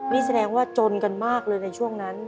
นี่แสดงว่าจนกันมากเลยในช่วงนั้น